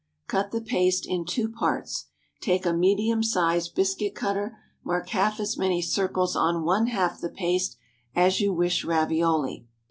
Cut the paste in two parts. Take a medium sized biscuit cutter, mark half as many circles on one half the paste as you wish ravioli.